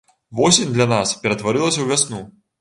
Восень для нас ператварылася ў вясну.